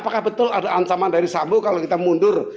kalau kita mundur